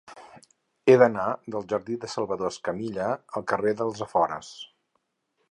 He d'anar del jardí de Salvador Escamilla al carrer dels Afores.